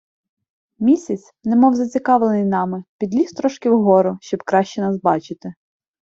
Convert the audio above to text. Місяць, немов зацікавлений нами, підліз трошки вгору, щоб краще бачити нас.